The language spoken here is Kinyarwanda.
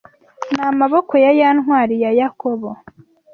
N’amaboko ya ya ntwari ya Yakobo